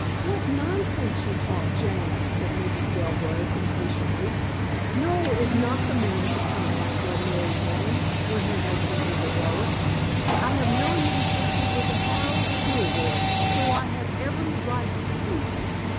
"What nonsense you talk, Jane," said Mrs. Belgrove, impatiently. "Noel is not the man to come after a married woman when her husband is away. I have known him since he was a Harrow schoolboy, so I have every right to speak.